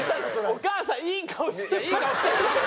お母さんいい顔して！